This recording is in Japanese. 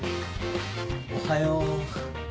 おはよう。